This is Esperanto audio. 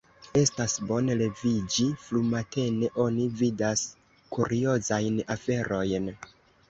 Estas bone leviĝi frumatene: oni vidas kuriozajn aferojn.